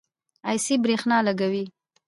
ایسی برښنا لګوي